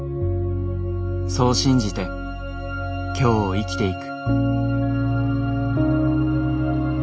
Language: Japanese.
そう信じて今日を生きていく。